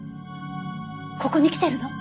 ここに来てるの？